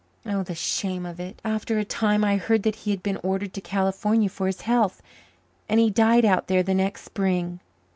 Oh, the shame of it! After a time I heard that he had been ordered to California for his health. And he died out there the next spring.